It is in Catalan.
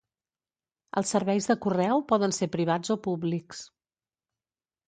Els serveis de correu poden ser privats o públics.